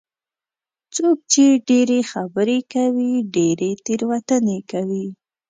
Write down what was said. څوک چې ډېرې خبرې کوي، ډېرې تېروتنې کوي.